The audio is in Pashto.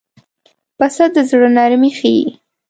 پسه د زړه نرمي ښيي.